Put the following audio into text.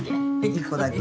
１個だけ。